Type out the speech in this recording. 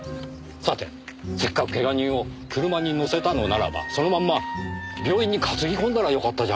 さてせっかくけが人を車に乗せたのならばそのまんま病院に担ぎこんだらよかったじゃありませんか。